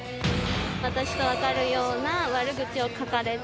私と分かるような悪口を書かれて。